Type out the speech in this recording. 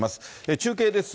中継です。